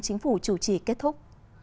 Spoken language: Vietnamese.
chính phủ chủ trì kết thúc